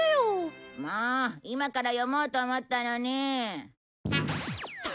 もう今から読もうと思ったのに。